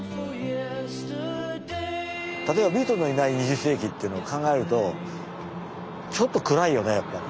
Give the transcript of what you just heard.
例えばビートルズのいない２０世紀っていうのを考えるとちょっと暗いよねやっぱり。